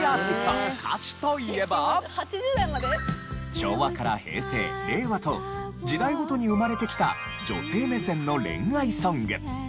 昭和から平成令和と時代ごとに生まれてきた女性目線の恋愛ソング。